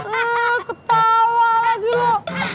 kepala lagi lu